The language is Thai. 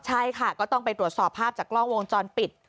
ใช่ค่ะก็ต้องไปตรวจสอบภาพจากกล้องวงจรปิด